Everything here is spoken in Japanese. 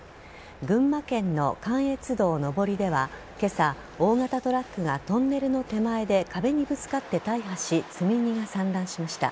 群馬県の関越道上りでは今朝、大型トラックがトンネルの手前で壁にぶつかって大破し積荷が散乱しました。